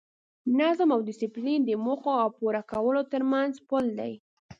نظم او ډیسپلین د موخو او پوره کولو ترمنځ پل دی.